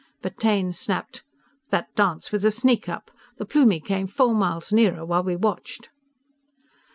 But Taine snapped: "_That dance was a sneak up! The Plumie came four miles nearer while we watched!